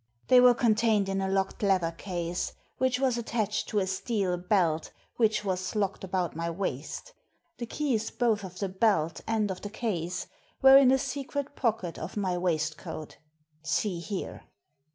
They were contained in a locked leather case, which was attached to a steel belt which was locked about my waist The keys both of the belt and of the case were in a secret pocket of my waistcoat — see here."